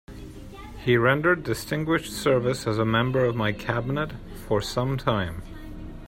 He rendered distinguished service as a member of my Cabinet for sometime.